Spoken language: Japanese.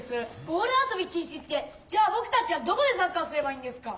ボール遊び禁止ってじゃあぼくたちはどこでサッカーすればいいんですか？